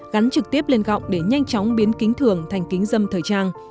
gắn trực tiếp lên gọng để nhanh chóng biến kính thường thành kính dâm thời trang